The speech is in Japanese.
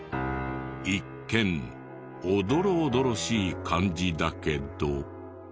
一見おどろおどろしい感じだけど。